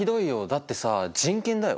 だってさ人権だよ。